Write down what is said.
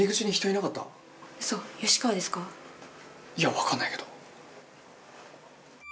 いや分かんないけど。